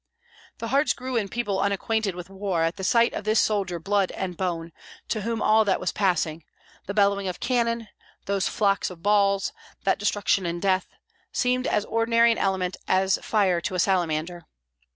The hearts grew in people unacquainted with war, at sight of this soldier blood and bone, to whom all that was passing that bellowing of cannon, those flocks of balls, that destruction and death seemed as ordinary an element as fire to a salamander.